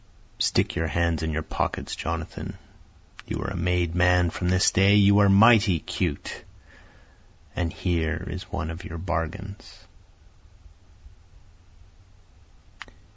Stick your hands in your pockets, Jonathan you are a made man from this day, You are mighty cute and here is one of your bargains.